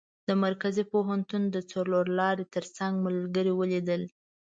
د مرکزي پوهنتون د څلور لارې تر څنګ ملګري ولیدل.